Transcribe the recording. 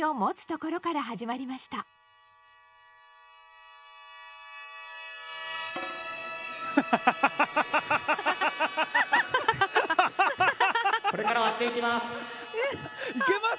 これから割っていきます。